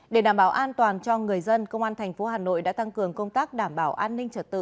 để đảm bảo an toàn cho người dân công an thành phố hà nội đã tăng cường công tác đảm bảo an ninh trật tự